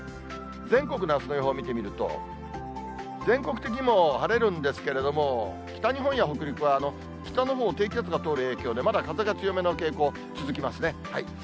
全国のあすの予報を見てみると、全国的にも晴れるんですけれども、北日本や北陸は北のほう、低気圧が通る影響で、まだ風が強めの傾向、続きますね。